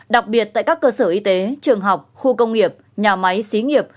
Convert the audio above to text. đặc biệt tại các cơ sở y tế trường học khu công nghiệp nhà máy xí nghiệp